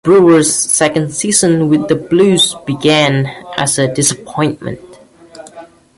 Brewer's second season with the Blues began as a disappointment.